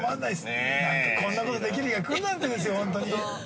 なんかこんなふうにできる日が来るなんてですよ、本当に。